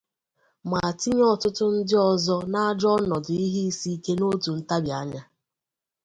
ma tinye ọtụtụ ndị ọzọ n'ajọ ọnọdụ ihe isi ike n'otu ntabi anya.